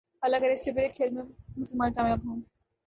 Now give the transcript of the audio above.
اللہ کرے اس چھپے کھیل میں مسلمان کامیاب ہو